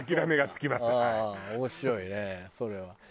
面白いねそれは。